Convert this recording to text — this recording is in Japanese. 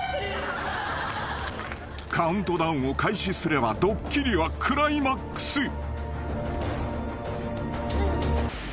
［カウントダウンを開始すればドッキリはクライマックス］